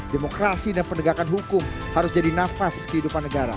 demokrasi dan penegakan hukum harus jadi nafas kehidupan negara